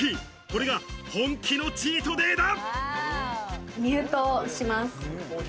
これが本気のチートデイだ。